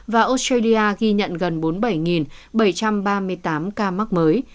và australia ghi nhận gần bốn mươi bảy bảy trăm ba mươi tám ca mắc mới